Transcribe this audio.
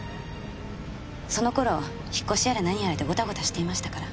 その頃引っ越しやらなんやらでゴタゴタしていましたから。